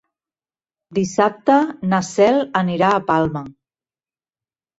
Dissabte na Cel anirà a Palma.